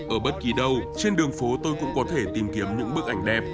ở bất kỳ đâu trên đường phố tôi cũng có thể tìm kiếm những bức ảnh đẹp